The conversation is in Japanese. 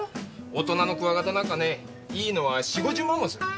大人のクワガタなんかねいいのは４０５０万もする。